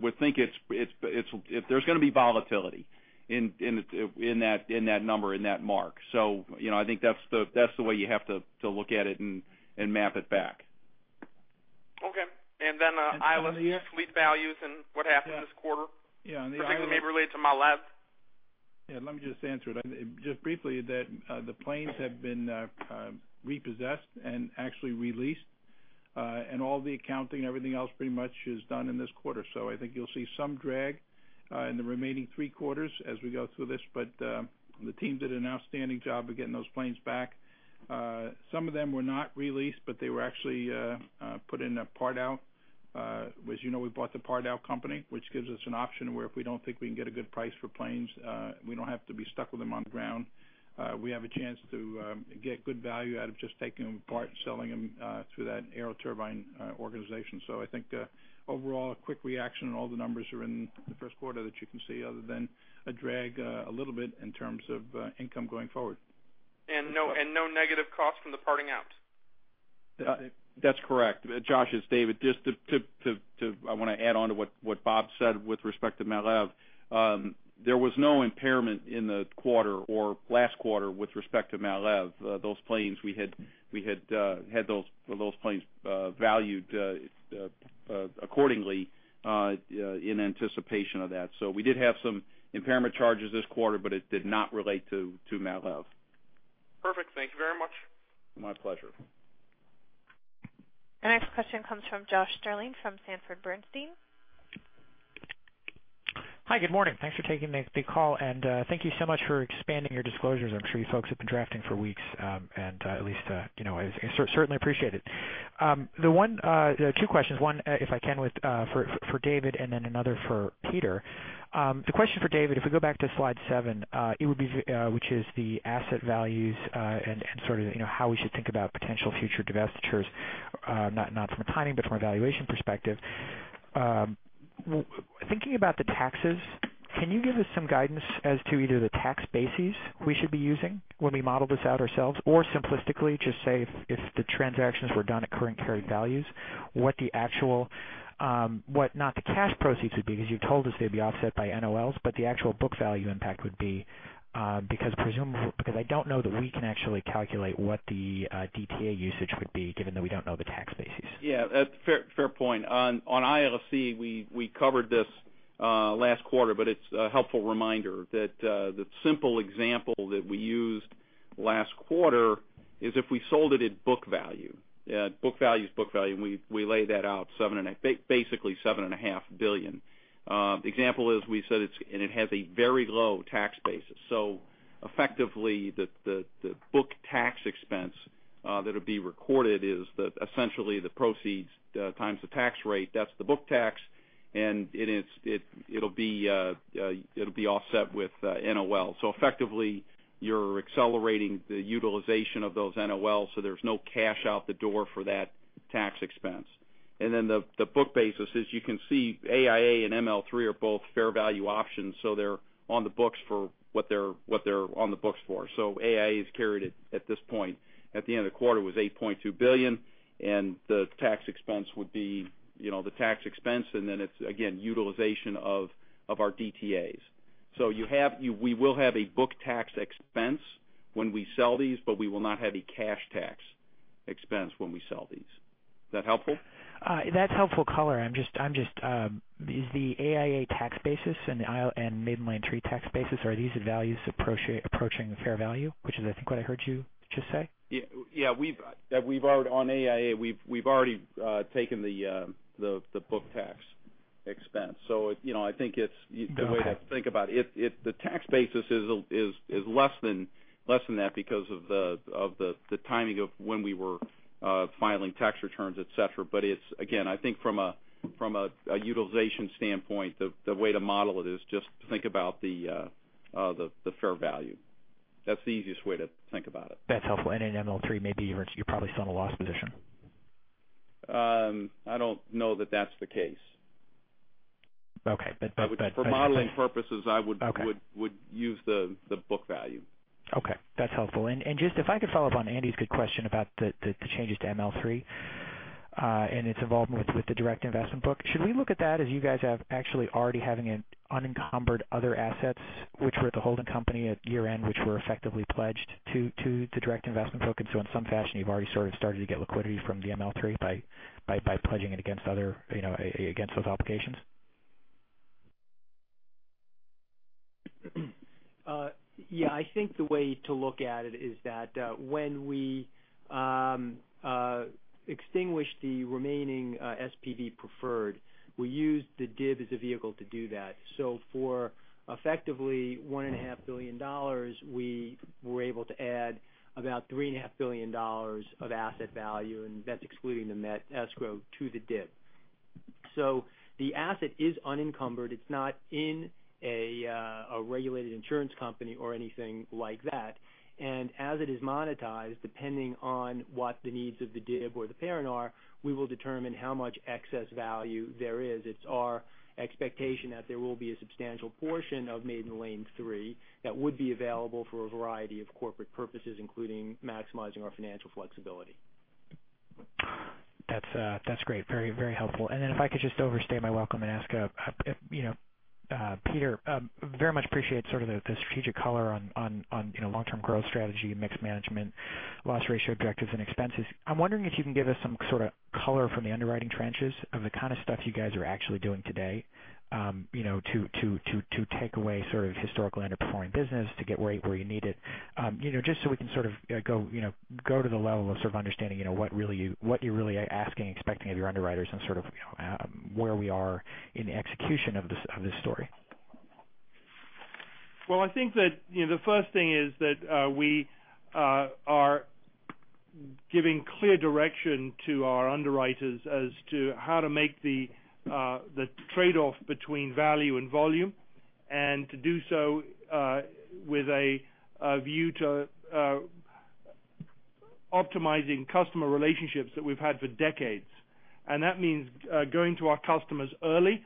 would think there's going to be volatility in that number, in that mark. I think that's the way you have to look at it and map it back. Okay. ILFC fleet values and what happened this quarter? Something that may relate to Malév. Yeah, let me just answer it. Just briefly, the planes have been repossessed and actually re-leased. All the accounting, everything else pretty much is done in this quarter. I think you'll see some drag in the remaining three quarters as we go through this. The team did an outstanding job of getting those planes back. Some of them were not re-leased, but they were actually put in a part-out. As you know, we bought the part-out company, which gives us an option where, if we don't think we can get a good price for planes, we don't have to be stuck with them on the ground. We have a chance to get good value out of just taking them apart and selling them through that AeroTurbine, Inc. organization. I think, overall, a quick reaction on all the numbers are in the first quarter that you can see, other than a drag a little bit in terms of income going forward. No negative cost from the parting out? That's correct. Josh, it's David. I want to add on to what Bob said with respect to Malev. There was no impairment in the quarter or last quarter with respect to Malev. Those planes, we had those planes valued accordingly in anticipation of that. We did have some impairment charges this quarter, but it did not relate to Malev. Perfect. Thank you very much. My pleasure. Our next question comes from Josh Stirling from Sanford C. Bernstein. Hi, good morning. Thanks for taking the call, and thank you so much for expanding your disclosures. I'm sure you folks have been drafting for weeks, and at least I certainly appreciate it. Two questions, one, if I can, for David, and then another for Peter. The question for David, if we go back to slide seven, which is the asset values and sort of how we should think about potential future divestitures, not from a timing but from a valuation perspective. Thinking about the taxes, can you give us some guidance as to either the tax bases we should be using when we model this out ourselves? Or simplistically just say if the transactions were done at current carried values, what not the cash proceeds would be, because you told us they'd be offset by NOLs, but the actual book value impact would be. I don't know that we can actually calculate what the DTA usage would be, given that we don't know the tax bases. Yeah. Fair point. On ILFC, we covered this last quarter, but it's a helpful reminder that the simple example that we used last quarter is if we sold it at book value. Book value is book value, and we laid that out, basically $7.5 billion. Example is we said it has a very low tax basis. Effectively, the book tax expense that would be recorded is essentially the proceeds times the tax rate. That's the book tax, and it'll be offset with NOL. Effectively, you're accelerating the utilization of those NOLs so there's no cash out the door for that tax expense. And then the book basis, as you can see, AIA and ML3 are both fair value options, so they're on the books for what they're on the books for. AIA is carried at this point, at the end of the quarter, was $8.2 billion, and the tax expense would be the tax expense, and then it's again, utilization of our DTAs. We will have a book tax expense when we sell these, but we will not have a cash tax expense when we sell these. Is that helpful? That's helpful color. Is the AIA tax basis and Maiden Lane III tax basis, are these values approaching the fair value? Which is, I think, what I heard you just say. Yeah. On AIA, we've already taken the book tax expense. I think it's. Okay the way to think about it. If the tax basis is less than that because of the timing of when we were filing tax returns, et cetera. It's, again, I think from a utilization standpoint, the way to model it is just think about the fair value. That's the easiest way to think about it. That's helpful. In ML3, maybe you're probably still in a loss position. I don't know that that's the case. Okay. For modeling purposes. Okay use the book value. Okay, that's helpful. Just if I could follow up on Andy's good question about the changes to ML3 and its involvement with the direct investment book. Should we look at that as you guys have actually already having unencumbered other assets, which were at the holding company at year-end, which were effectively pledged to direct investment book? In some fashion, you've already sort of started to get liquidity from the ML3 by pledging it against those obligations. Yeah, I think the way to look at it is that when we extinguish the remaining SPV preferred, we use the DIB as a vehicle to do that. For effectively $1.5 billion, we were able to add about $3.5 billion of asset value, and that's excluding the net escrow to the DIB. The asset is unencumbered. It's not in a regulated insurance company or anything like that. As it is monetized, depending on what the needs of the DIB or the parent are, we will determine how much excess value there is. It's our expectation that there will be a substantial portion of Maiden Lane III that would be available for a variety of corporate purposes, including maximizing our financial flexibility. That's great. Very helpful. If I could just overstay my welcome and ask Peter, very much appreciate the strategic color on long-term growth strategy and mixed management, loss ratio objectives, and expenses. I'm wondering if you can give us some color from the underwriting trenches of the kind of stuff you guys are actually doing today to take away historical underperforming business to get right where you need it. So we can go to the level of understanding what you're really asking, expecting of your underwriters and where we are in the execution of this story. I think that the first thing is that we are giving clear direction to our underwriters as to how to make the trade-off between value and volume, to do so with a view to optimizing customer relationships that we've had for decades. That means going to our customers early,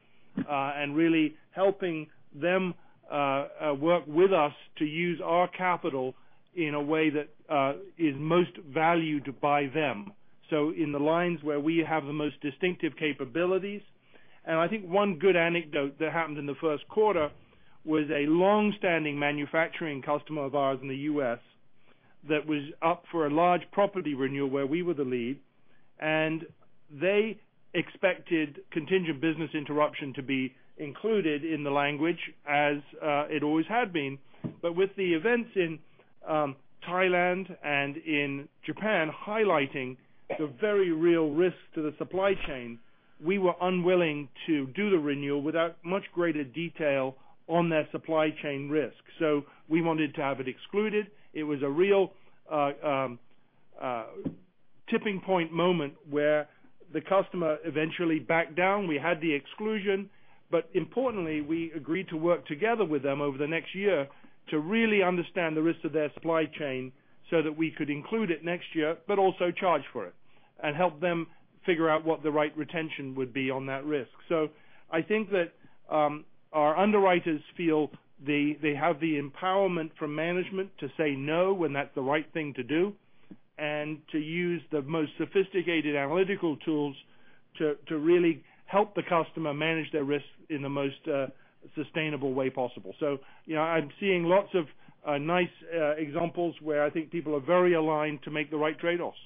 really helping them work with us to use our capital in a way that is most valued by them. In the lines where we have the most distinctive capabilities. I think one good anecdote that happened in the first quarter was a long-standing manufacturing customer of ours in the U.S. that was up for a large property renewal where we were the lead, they expected contingent business interruption to be included in the language as it always had been. With the events in Thailand and in Japan highlighting the very real risk to the supply chain, we were unwilling to do the renewal without much greater detail on their supply chain risk. We wanted to have it excluded. It was a real tipping point moment where the customer eventually backed down. We had the exclusion, importantly, we agreed to work together with them over the next year to really understand the risks of their supply chain so that we could include it next year, also charge for it, help them figure out what the right retention would be on that risk. I think that our underwriters feel they have the empowerment from management to say no when that's the right thing to do, to use the most sophisticated analytical tools to really help the customer manage their risk in the most sustainable way possible. I'm seeing lots of nice examples where I think people are very aligned to make the right trade-offs.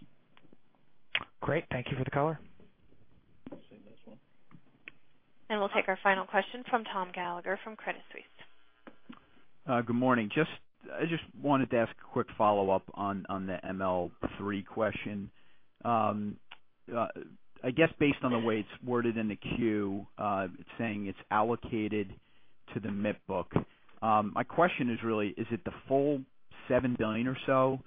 Great. Thank you for the color. I'll say this one. We'll take our final question from Thomas Gallagher from Credit Suisse. Good morning. I just wanted to ask a quick follow-up on the ML3 question. I guess based on the way it's worded in the queue, it's saying it's allocated to the MIP book. My question is really, is it the full $7 billion or so,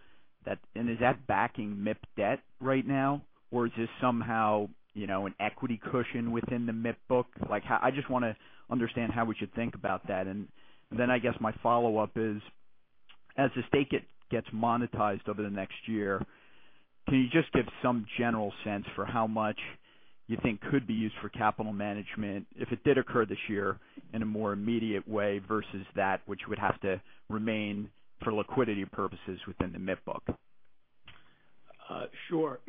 and is that backing MIP debt right now, or is this somehow an equity cushion within the MIP book? I just want to understand how we should think about that. I guess my follow-up is, as the stake gets monetized over the next year, can you just give some general sense for how much you think could be used for capital management if it did occur this year in a more immediate way versus that which would have to remain for liquidity purposes within the MIP book? Sure.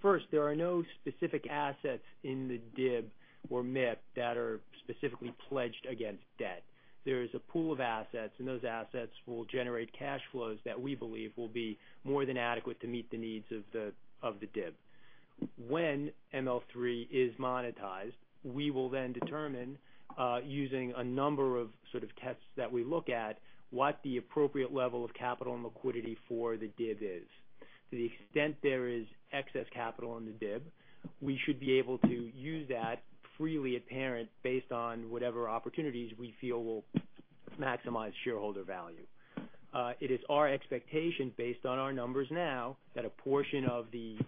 First, there are no specific assets in the DIB or MIP that are specifically pledged against debt. There is a pool of assets, and those assets will generate cash flows that we believe will be more than adequate to meet the needs of the DIB. When ML3 is monetized, we will then determine, using a number of tests that we look at, what the appropriate level of capital and liquidity for the DIB is. To the extent there is excess capital in the DIB, we should be able to use that freely at parent based on whatever opportunities we feel will maximize shareholder value. It is our expectation, based on our numbers now, that a portion of the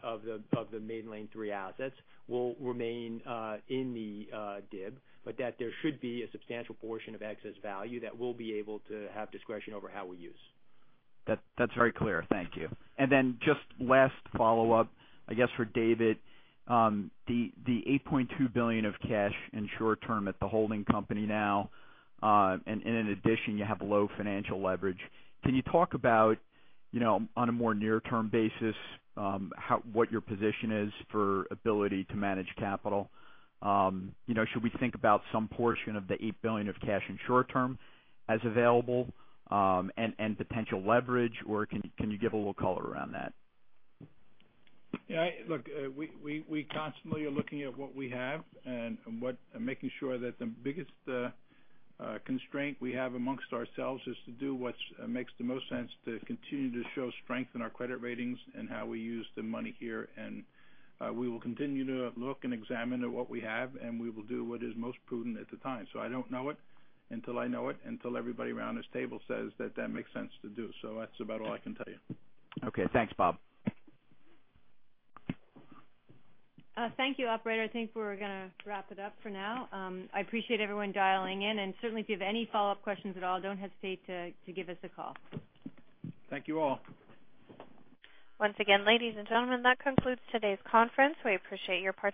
Maiden Lane III assets will remain in the DIB, but that there should be a substantial portion of excess value that we'll be able to have discretion over how we use. That's very clear. Thank you. Then just last follow-up, I guess for David. The $8.2 billion of cash in short term at the holding company now, and in addition, you have low financial leverage. Can you talk about on a more near-term basis what your position is for ability to manage capital? Should we think about some portion of the $8 billion of cash in short term as available, and potential leverage, or can you give a little color around that? Look, we constantly are looking at what we have and making sure that the biggest constraint we have amongst ourselves is to do what makes the most sense to continue to show strength in our credit ratings and how we use the money here. We will continue to look and examine at what we have, and we will do what is most prudent at the time. I don't know it until I know it, until everybody around this table says that that makes sense to do. That's about all I can tell you. Okay. Thanks, Bob. Thank you, operator. I think we're going to wrap it up for now. I appreciate everyone dialing in. Certainly, if you have any follow-up questions at all, don't hesitate to give us a call. Thank you all. Once again, ladies and gentlemen, that concludes today's conference. We appreciate your participation.